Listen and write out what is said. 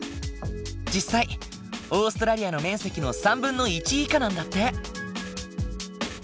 実際オーストラリアの面積の３分の１以下なんだって。